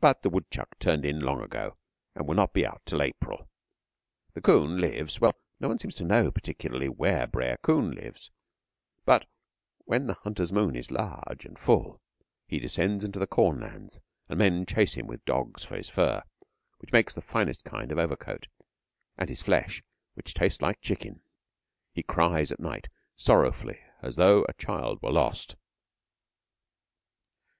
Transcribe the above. But the woodchuck turned in long ago, and will not be out till April. The coon lives well, no one seems to know particularly where Brer Coon lives, but when the Hunter's Moon is large and full he descends into the corn lands, and men chase him with dogs for his fur, which makes the finest kind of overcoat, and his flesh, which tastes like chicken. He cries at night sorrowfully as though a child were lost.